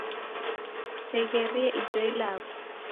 Kusegherie ijo ilagho!